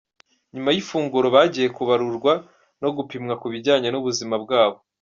Nyuma yifunguro bagiye kubarurwa no gupimwa ku bijyanye n’ubuzima bwabo.